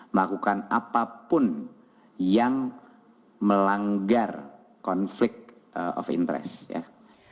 melakukan apapun yang melanggar konflik of interest ya